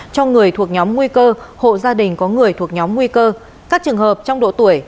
cho người thuộc nhóm nguy cơ hộ gia đình có người thuộc nhóm nguy cơ các trường hợp trong độ tuổi